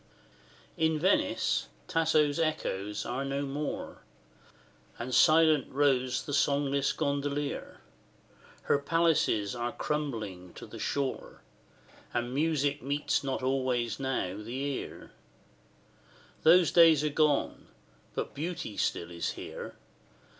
III. In Venice, Tasso's echoes are no more, And silent rows the songless gondolier; Her palaces are crumbling to the shore, And music meets not always now the ear: Those days are gone but beauty still is here.